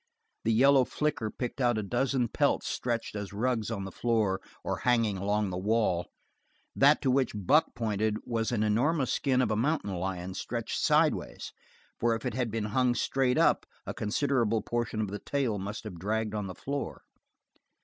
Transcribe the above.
The yellow flicker picked out a dozen pelts stretching as rugs on the floor or hanging along the wall; that to which Buck pointed was an enormous skin of a mountain lion stretched sidewise, for if it had been hung straight up a considerable portion of the tail must have dragged on the floor.